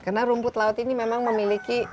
karena rumput laut ini memang memiliki